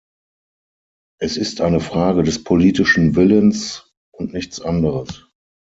Es ist eine Frage des politischen Willens und nichts anderes.